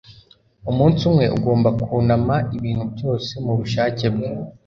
Umunsi umwe ugomba kunama ibintu byose mubushake bwe